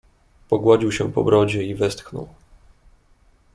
"Pogładził się po brodzie i westchnął."